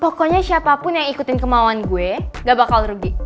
pokoknya siapapun yang ikutin kemauan gue gak bakal rugi